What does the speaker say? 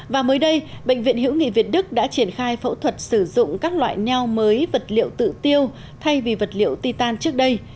và mới đây bệnh viện hiễu nghị việt đức đã triển khai phẫu thuật sử dụng các loại neo mới vật liệu tự tiêu thay vì vật liệu ti tàn trước đây